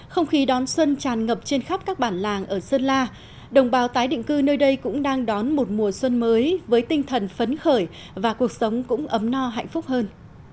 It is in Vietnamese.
không khí đón xuân tràn ngập trên khắp các bản làng ở sơn la đồng bào tái định cư nơi đây cũng đang đón một mùa xuân mới với tinh thần phấn khởi và cuộc sống cũng ấm no hạnh phúc hơn